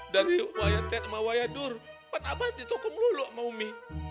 dari wayate sama wayadur pernah apa ditokong lu lho sama umi